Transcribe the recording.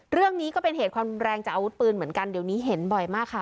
ก็เป็นเหตุความแรงจากอาวุธปืนเหมือนกันเดี๋ยวนี้เห็นบ่อยมากค่ะ